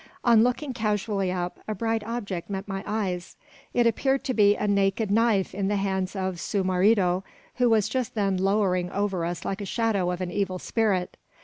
On looking casually up, a bright object met my eyes. It appeared to be a naked knife in the hands of su marido who was just then lowering over us like the shadow of an evil spirit.